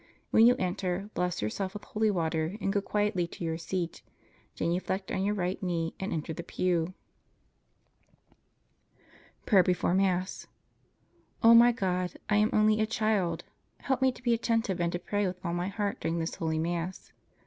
When you enter, bless yourself with holy water and go quietly to your seat, genuflect on your right knee and enter the pew. PRAYER BEFORE MASS O my God, I am only a child; help me to be attentive, and to pray with all my heart during this holy Mass.